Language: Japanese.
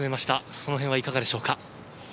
そのへんはいかがでしょうか。